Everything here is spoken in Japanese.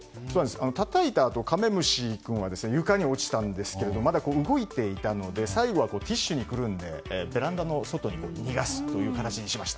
たたいたあとカメムシ君は床に落ちたんですがまだ動いていたので最後はティッシュにくるんでベランダの外に逃がすという形にしました。